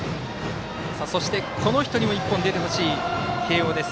そして、この人にも１本出てほしい慶応です。